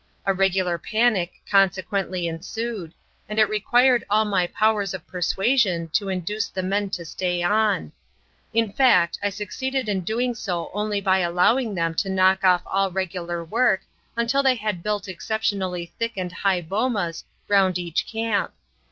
A regular panic consequently ensued, and it required all my powers of persuasion to induce the men to stay on. In fact, I succeeded in doing so only by allowing them to knock off all regular work until they had built exceptionally thick and high bomas round each camp.